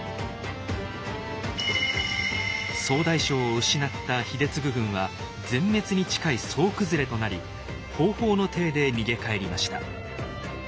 総大将を失った秀次軍は全滅に近い総崩れとなりほうほうの体で逃げ帰りました。